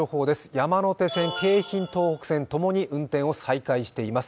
山手線、京浜東北線、ともに運転を再開しています。